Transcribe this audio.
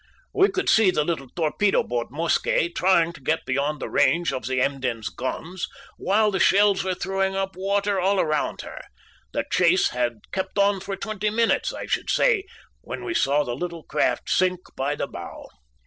We could see the little torpedo boat Mosquet trying to get beyond the range of the Emden's guns while the shells were throwing up water all around her. The chase had kept on for twenty minutes, I should say, when we saw the little craft sink by the bow.